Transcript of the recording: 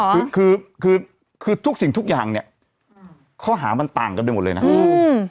คือคือคือคือทุกสิ่งทุกอย่างเนี้ยเขาหามันต่างกันได้หมดเลยน่ะอืม